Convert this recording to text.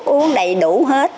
uống đầy đủ hết